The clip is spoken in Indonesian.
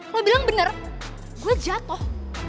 lo bilang bener gue jatuh